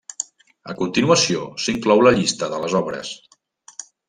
A continuació s'inclou la llista de les obres.